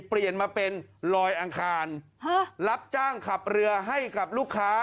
เปลี่ยนมาเป็นลอยอังคารรับจ้างขับเรือให้กับลูกค้า